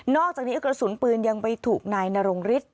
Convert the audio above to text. อกจากนี้กระสุนปืนยังไปถูกนายนรงฤทธิ